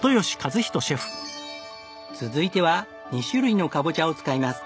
続いては２種類のカボチャを使います。